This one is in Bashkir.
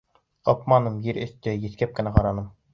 Ҡапманым, ер өҫтө, еҫкәп кенә ҡараным.